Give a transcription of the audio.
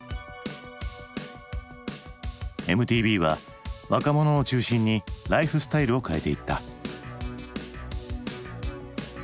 ＭＴＶは若者を中心にライフスタイルを変えていった。